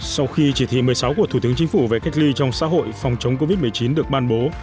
sau khi chỉ thị một mươi sáu của thủ tướng chính phủ về cách ly trong xã hội phòng chống covid một mươi chín được ban bố